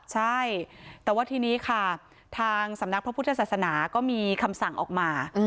ใช่แต่ว่าทีนี้ค่ะทางสำนักพระพุทธศาสนาก็มีคำสั่งออกมา